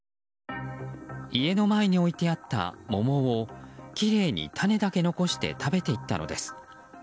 家の前に置いてあった桃をきれいに種だけ残して食べていったのです。